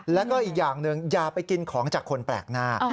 แล้วก็อีกอย่างหนึ่งอย่าไปกินของจากคนแปลกหน้า